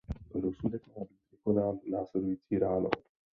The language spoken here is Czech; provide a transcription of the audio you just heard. Rozsudek má být vykonán následující ráno.